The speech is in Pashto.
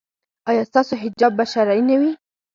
ایا ستاسو حجاب به شرعي نه وي؟